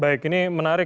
baik ini menarik